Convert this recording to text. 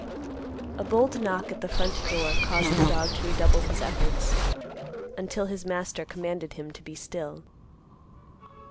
A bold knock at the front door caused the dog to redouble his efforts, until his master commanded him to be still.